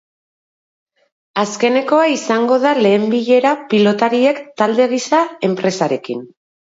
Asteazkenekoa izango da lehen bilera pilotariek, talde gisa, enpresarekin.